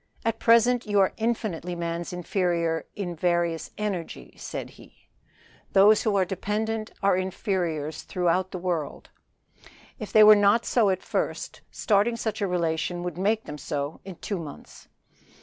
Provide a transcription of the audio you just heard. "At present you are infinitely man's inferior in various energy," said he. "Dependents are inferiors throughout the world." If they were not so at first starting such a relation would make them so in two months.